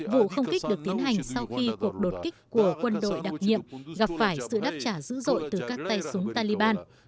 vụ không kích được tiến hành sau khi cuộc đột kích của quân đội đặc nhiệm gặp phải sự đáp trả dữ dội từ các tay súng taliban